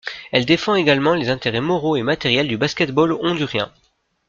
Elle défend également les intérêts moraux et matériels du basket-ball hondurien.